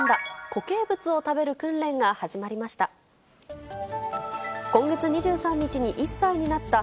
固形物を食べる訓練が始まりました。